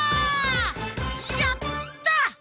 やった！